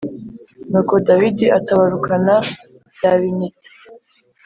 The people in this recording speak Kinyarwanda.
Nuko Dawidi atabarukana bya binyita